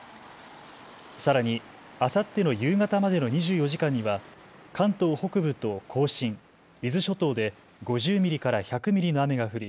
さらにあさっての夕方までの２４時間には関東北部と甲信、伊豆諸島で５０ミリから１００ミリの雨が降り